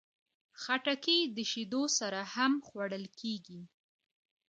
خټکی د شیدو سره هم خوړل کېږي.